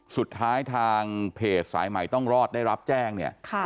ทางเพจสายใหม่ต้องรอดได้รับแจ้งเนี่ย